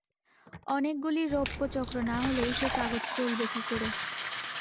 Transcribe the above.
অনেকগুলি রৌপ্যচক্র না হলে সে কাগজ চলবে কী করে।